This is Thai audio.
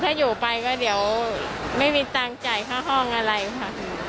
ถ้าอยู่ไปก็เดี๋ยวไม่มีตังค์จ่ายค่าห้องอะไรค่ะ